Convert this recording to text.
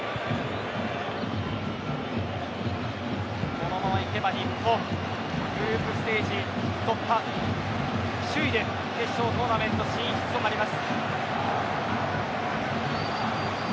このままいけば日本グループステージ突破首位で決勝トーナメント進出となります。